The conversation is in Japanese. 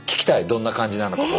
どんな感じなのか方言。